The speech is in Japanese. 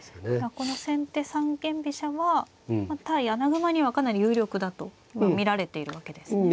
この先手三間飛車は対穴熊にはかなり有力だと見られているわけですね。